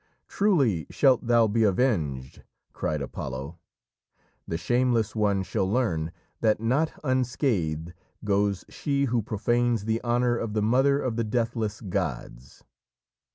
"Truly shalt thou be avenged!" cried Apollo. "The shameless one shall learn that not unscathed goes she who profanes the honour of the mother of the deathless gods!"